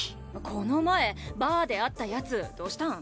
この前バーで会ったやつどしたん？